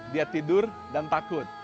dia tidur dan takut